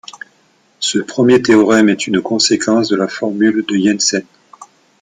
Ce premier théorème est une conséquence de la formule de Jensen.